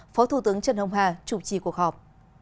phó thủ tướng trần hồng hà chủ trì cuộc họp